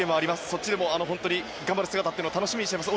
そっちでも頑張る姿を楽しみにしています。